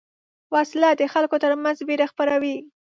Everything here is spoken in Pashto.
وسله د خلکو تر منځ وېره خپروي